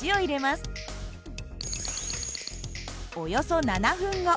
およそ７分後。